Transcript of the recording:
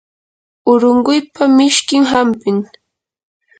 urunquypa mishkin hampim.